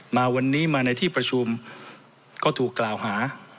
มาวันนี้มาในที่ประชุมก็ถูกกล่าวหา